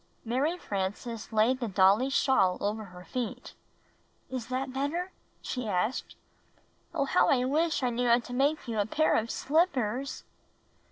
Mary Frances laid the dolly's shawl over her feet. "Is that better?" she asked. "Oh, how I wish I knew how to make you a pair of slippers!"